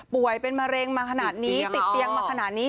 เป็นมะเร็งมาขนาดนี้ติดเตียงมาขนาดนี้